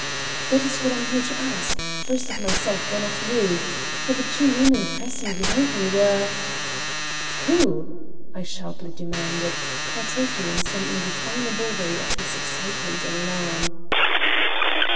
That is what I am here to ask, first of myself, then of you. For the two women pressing behind me were " "Who?" I sharply demanded, partaking in some indefinable way of his excitement and alarm.